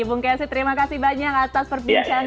bung kesi terima kasih banyak atas perbincangan hari ini